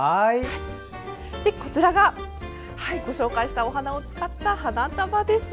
こちらがご紹介したお花を使った花束です。